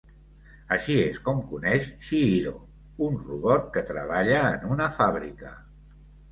Així és com coneix Chihiro, un robot que treballa en una fàbrica.